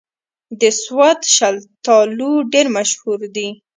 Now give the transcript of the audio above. د سوات شلتالو ډېر مشهور دي